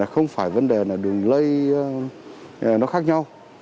không phải vấn đề là đường lây nó khác nhau